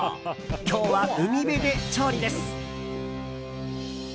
今日は海辺で調理です。